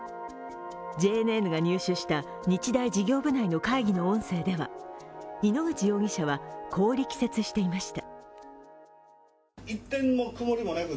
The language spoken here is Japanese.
ＪＮＮが入手した日大事業部内の会議の音声では、井ノ口容疑者はこう力説していました。